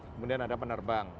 kemudian ada penerbang